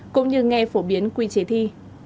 cũng như nghe phổ biến quy chế thi